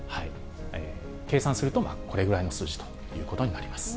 計算するとこれぐらいの数字ということになります。